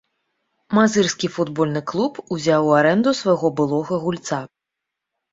Мазырскі футбольны клуб узяў у арэнду свайго былога гульца.